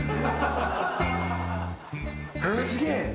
すげえ。